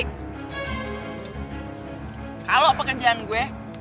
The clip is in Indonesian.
kalo pekerjaan gue